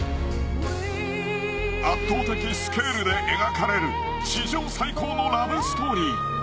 ［圧倒的スケールで描かれる史上最高のラブストーリー］